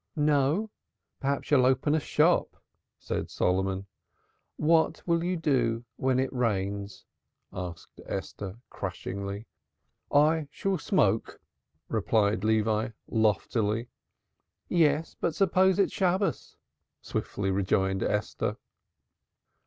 "No? Perhaps you'll open a shop," said Solomon. "What will you do when it rains?" asked Esther crushingly. "I shall smoke," replied Levi loftily. "Yes, but suppose it's Shabbos," swiftly rejoined Esther.